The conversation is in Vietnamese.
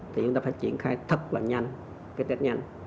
thì chúng ta phải triển khai thật là nhanh cái test nhanh